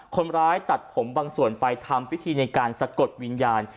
คนร้ายตัดผมบางส่วนไปทำพิธีในการสะกดวิญญาณ